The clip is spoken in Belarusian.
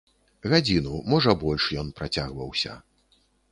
Гадзіну, можа больш ён працягваўся.